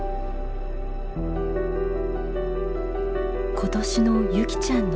今年の優希ちゃんの誕生